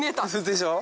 でしょ？